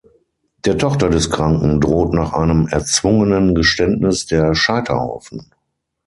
Der Tochter des Kranken droht nach einem erzwungenen Geständnis der Scheiterhaufen.